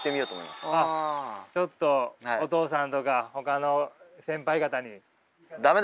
ちょっとお父さんとかほかの先輩方に。